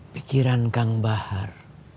pikiran kang bahar